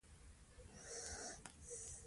د خپل حق ساتنه زموږ وجیبه ده.